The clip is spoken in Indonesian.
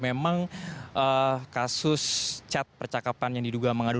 memang kasus cat percakapan yang diduga mengandung